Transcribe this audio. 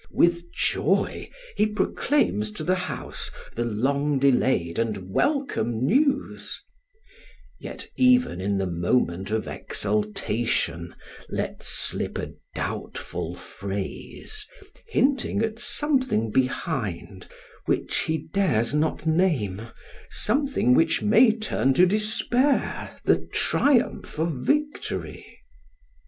With joy he proclaims to the House the long delayed and welcome news; yet even in the moment of exultation lets slip a doubtful phrase hinting at something behind, which he dares not name, something which may turn to despair the triumph of victory.